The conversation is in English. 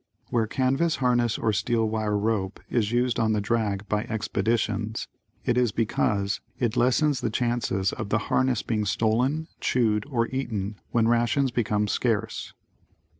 Where canvas harness or steel wire rope is used on the drag by "Expeditions" it is because it lessens the chances of the harness being stolen, chewed or eaten, when rations become scarce.